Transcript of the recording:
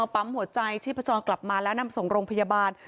ปั๊มหัวใจชีพจรกลับมาแล้วนำส่งโรงพยาบาล